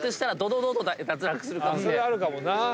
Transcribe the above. それあるかもな。